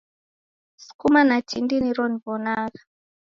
Sukuma na tindi niro niw'onagha.